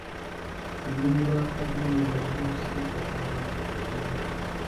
Niba abimenye, rwose azarakara cyane.